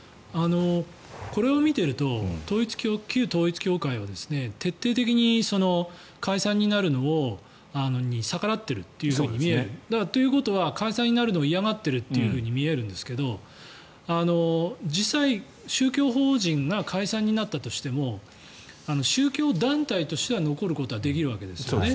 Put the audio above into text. これを見ていると旧統一教会は徹底的に解散になるのに逆らっていると見える。ということは解散になるのを嫌がっているように見えるんですが実際に宗教法人が解散になったとしても宗教団体としては残ることはできるわけですよね。